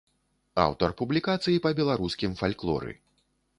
Аўтар публікацый па беларускім фальклоры.